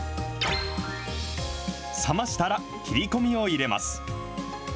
冷ましたら、切り込みを入れます。